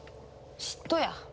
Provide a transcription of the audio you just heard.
嫉妬や。